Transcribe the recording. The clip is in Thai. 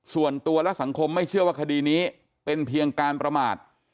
ส่วนตัวและสังคมไม่เชื่อว่าคดีนี้เป็นเพียงการประมาท